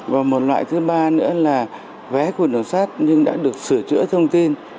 và một loại thứ ba nữa là vé của đường sát nhưng đã được sửa chữa thông tin